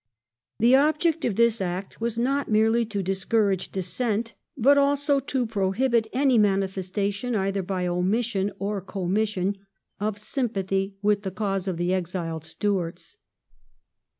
The object of this Act was not merely to discourage Dissent, but also to prohibit any manifestation, either by omission or commission, of sympathy with the cause of the exiled Stuarts.